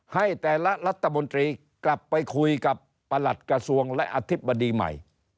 ให้แต่ละรัฐมนตรีกลับไปคุยกับประหลัดกระทรวงและอธิบดีใหม่